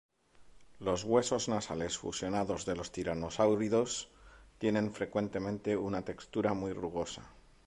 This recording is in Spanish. Los huesos nasales fusionados de los tiranosáuridos tienen frecuentemente una textura muy rugosa.